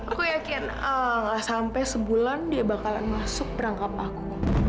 aku yakin sampai sebulan dia bakalan masuk perangkap aku